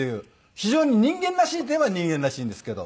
非常に人間らしいといえば人間らしいんですけど。